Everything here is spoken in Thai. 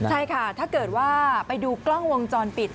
ใช่ค่ะถ้าเกิดว่าไปดูกล้องวงจรปิด